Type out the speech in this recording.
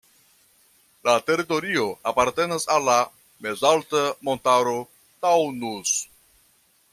La teritorio apartenas al la mezalta montaro Taunus.